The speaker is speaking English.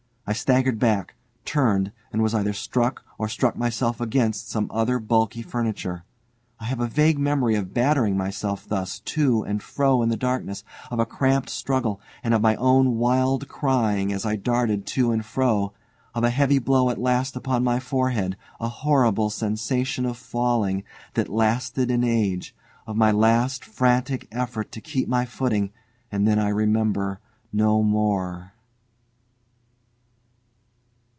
I staggered back, turned, and was either struck or struck myself against some other bulky furniture. I have a vague memory of battering myself thus, to and fro in the darkness, of a cramped struggle, and of my own wild crying as I darted to and fro, of a heavy blow at last upon my forehead, a horrible sensation of falling that lasted an age, of my last frantic effort to keep my footing, and then I remember no more.